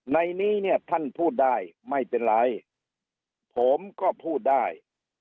ในนี้เนี่ยท่านพูดได้ไม่เป็นไรผมก็พูดได้